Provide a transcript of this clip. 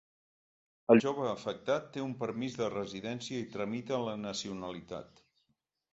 El jove afectat té un permís de residència i tramita la nacionalitat.